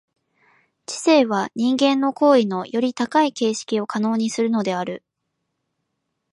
知性は人間の行為のより高い形式を可能にするのである。